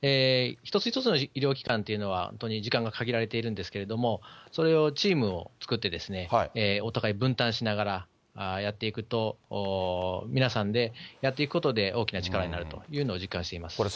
一つ一つの医療機関というのは、本当に時間が限られているんですけれども、それをチームを作って、お互い分担しながらやっていくと、皆さんでやっていくことで、大きな力になるというのを実感しています。